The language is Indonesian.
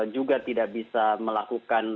juga tidak bisa melakukan